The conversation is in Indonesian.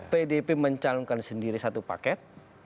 pdip mencalonkan sendiri satu paket